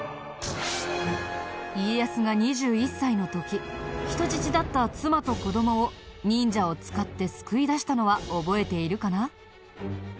家康が２１歳の時人質だった妻と子供を忍者を使って救い出したのは覚えているかな？